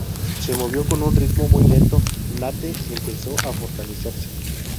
Se movió con un ritmo muy lento, Nate empezó a fortalecerse.